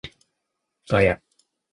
ガヤ